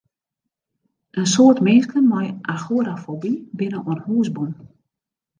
In soad minsken mei agorafoby binne oan hûs bûn.